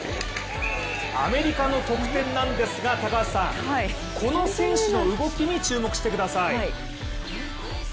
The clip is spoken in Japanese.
アメリカの得点なんですが、高橋さん、この選手の動きに注目してください。